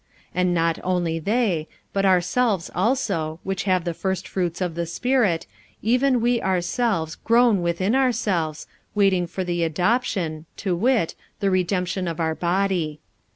45:008:023 And not only they, but ourselves also, which have the firstfruits of the Spirit, even we ourselves groan within ourselves, waiting for the adoption, to wit, the redemption of our body.